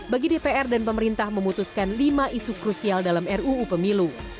bagi dpr dan pemerintah memutuskan lima isu krusial dalam ruu pemilu